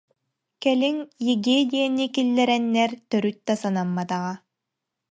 Кэлин ЕГЭ диэни киллэрэннэр төрүт да санамматаҕа